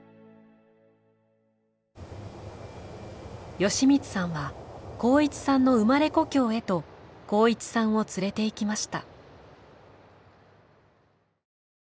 美光さんは航一さんの生まれ故郷へと航一さんを連れていきました。